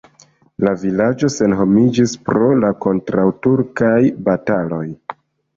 La vilaĝo senhomiĝis pro la kontraŭturkaj bataloj.